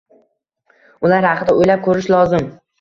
Ular haqida o’ylab ko’rish lozim.